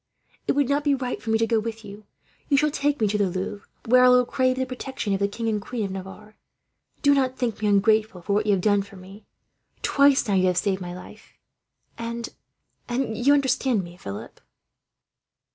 It would not be right for me to go with you. You shall take me to the Louvre, where I will crave the protection of the King and Queen of Navarre. "Do not think me ungrateful for what you have done for me. Twice now you have saved my life, and, and you understand me, Philip?"